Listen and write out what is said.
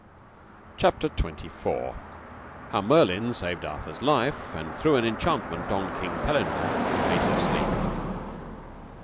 CHAPTER XXIV. How Merlin saved Arthur's life, and threw an enchantment on King Pellinore and made him to sleep.